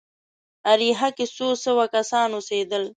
اریحا کې څو سوه کسان اوسېدل.